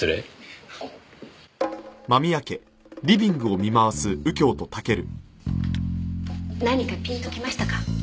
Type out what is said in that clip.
何かピンときましたか？